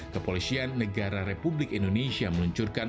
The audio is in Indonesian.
kepolisian negara republik indonesia